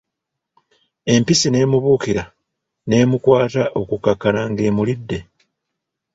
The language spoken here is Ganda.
Empisi n'emubuukira n'emukwaata okukakkana nga emulidde.